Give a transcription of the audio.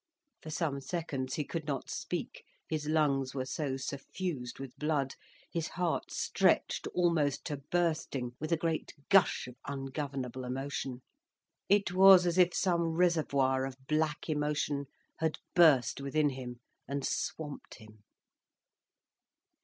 For some seconds he could not speak, his lungs were so suffused with blood, his heart stretched almost to bursting with a great gush of ungovernable emotion. It was as if some reservoir of black emotion had burst within him, and swamped him.